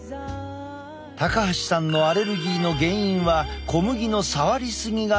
高橋さんのアレルギーの原因は小麦の触りすぎが考えられた。